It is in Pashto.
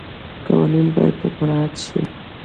قوانین باید مراعات شي.